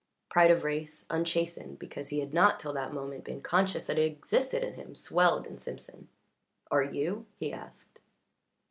Pride of race, unchastened because he had not till that moment been conscious that it existed in him, swelled in Simpson. "Are you?" he asked.